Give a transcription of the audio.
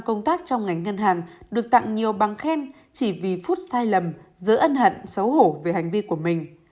công tác trong ngành ngân hàng được tặng nhiều bằng khen chỉ vì phút sai lầm giữa ân hận xấu hổ về hành vi của mình